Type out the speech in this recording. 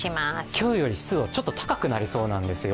今日より湿度はちょっと高くなりそうなんですよ。